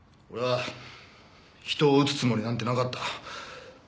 俺は人を撃つつもりなんてなかった。